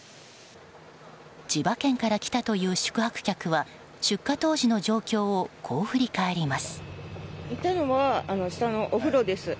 千葉県から来たという宿泊客は出火当時の状況をこう振り返ります。